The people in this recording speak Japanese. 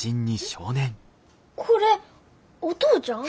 えっこれお父ちゃん！？